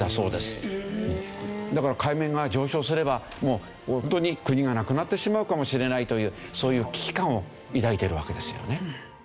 だから海面が上昇すればもうホントに国がなくなってしまうかもしれないというそういう危機感を抱いてるわけですよね。